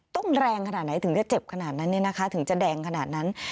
ต้องแรงขนาดไหนถึงจะเจ็บขนาดนั้นเนี่ยนะคะถึงจะแดงขนาดนั้น